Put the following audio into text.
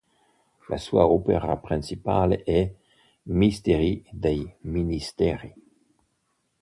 La sua opera principale è "Misteri dei Ministeri".